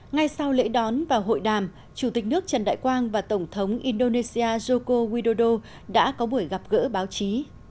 ngay sau lễ đón và hội đàm chủ tịch nước trần đại quang và tổng thống indonesia joko widodo đã có buổi gặp gỡ báo chí